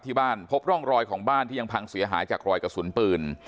พบร่องรอยของบ้านที่ยังพังเสียหายจากรอยกระสุนปืน